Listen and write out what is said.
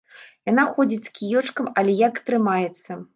Яна ходзіць з кіёчкам, але як трымаецца!